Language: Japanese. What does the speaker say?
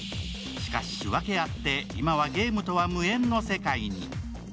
しかし、訳あって、今はゲームとは無縁の世界に。